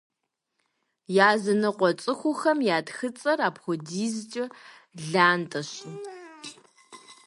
Языныкъуэ цӏыхухэм я тхыцӏэр апхуэдизкӏэ лантӏэщи.